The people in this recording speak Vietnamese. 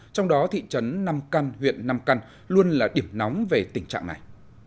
trong đó thị trấn nam căn huyện nam căn luôn là điểm nóng về tình trạng này